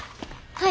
はい。